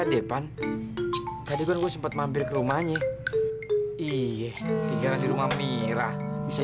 ada depan tadi gua sempet mampir ke rumahnya iya tinggal di rumah mirah bisa